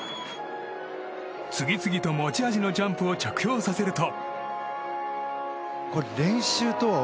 次々と持ち味のジャンプを着氷させると。